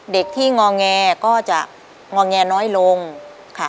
เด็กที่งอแงก็จะงอแงน้อยลงค่ะ